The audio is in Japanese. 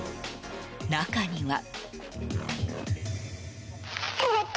中には。